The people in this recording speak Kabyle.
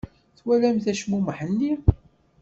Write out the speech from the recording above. Twalamt acmumeḥ-nni?